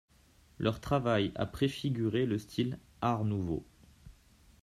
Leur travail a préfiguré le style Art nouveau.